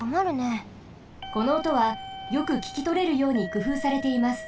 このおとはよくききとれるようにくふうされています。